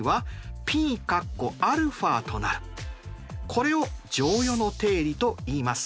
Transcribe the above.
これを剰余の定理といいます。